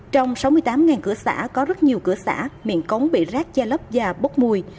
trong sáu mươi tám cửa xã có rất nhiều cửa xã miệng cống bị rác che lấp và bốc mùi